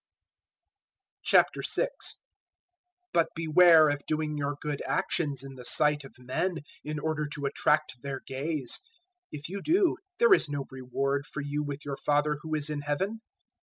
006:001 "But beware of doing your good actions in the sight of men, in order to attract their gaze; if you do, there is no reward for you with your Father who is in Heaven.